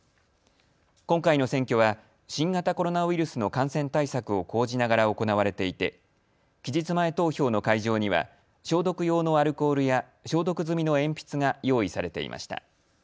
今回の選挙は新型コロナウイルスの感染対策を講じながら行われていて期日前投票の会場には消毒用のアルコールや消毒済みの鉛筆が用意されていました。